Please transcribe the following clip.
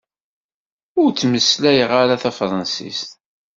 Ur ttmeslayeɣ ara tafransist.